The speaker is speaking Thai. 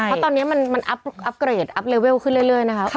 เพราะตอนนี้มันอัพเกรดอัพเลเวลขึ้นเรื่อยนะคะ